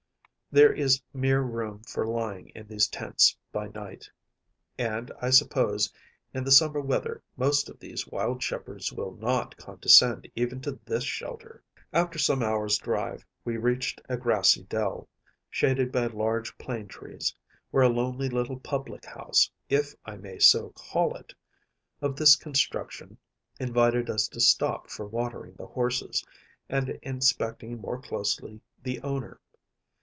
There is mere room for lying in these tents by night; and, I suppose, in the summer weather most of these wild shepherds will not condescend even to this shelter.(90) After some hours’ drive we reached a grassy dell, shaded by large plane trees, where a lonely little public house‚ÄĒif I may so call it‚ÄĒof this construction invited us to stop for watering the horses, and inspecting more closely the owner.